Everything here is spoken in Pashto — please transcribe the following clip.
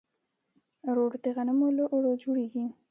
روټ د غنمو له اوړو جوړیږي.